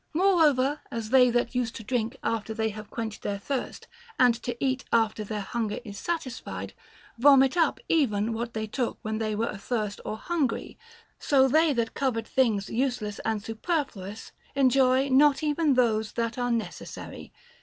Moreover, as they that use to drink after they have quenched their thirst, and to eat after their hunger is satisfied, vomit up even what they took when they were athirst or hungry ; so they that covet things useless and superfluous, enjoy not even those that are necessary.